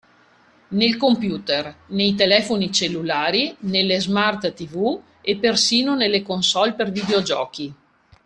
Nel computer, nei telefoni cellulari, nelle smart TV e persino nelle console per videogiochi.